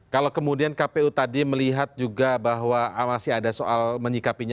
kalau kemudian kpu tadi melihat juga bahwa masih ada soal menyikapinya